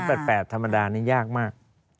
๘๘ธรรมดานี้ยากมาก